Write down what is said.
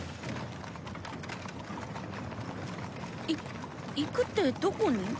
いっ行くってどこに？